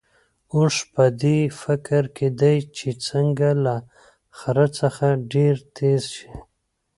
اوښ په دې فکر کې دی چې څنګه له خره څخه ډېر تېز شي.